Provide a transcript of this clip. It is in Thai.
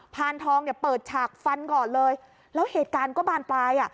พานทองเนี่ยเปิดฉากฟันก่อนเลยแล้วเหตุการณ์ก็บานปลายอ่ะ